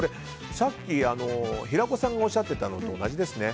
さっき、平子さんがおっしゃってたのと同じですね。